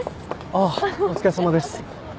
ああお疲れさまです。